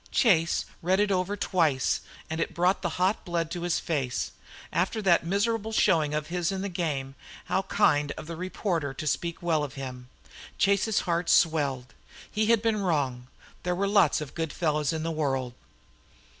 Chase read it over twice and it brought the hot blood to his face. After that miserable showing of his in the game how kind of the reporter to speak well of him! Chase's heart swelled. He had been wrong there were lots of good fellows in the world.